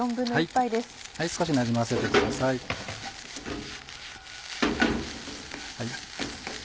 少しなじませてください。